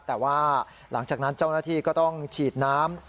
แต่ว่าหลังจากนั้นเจ้าหน้าที่ก็ต้องฉีดน้ำ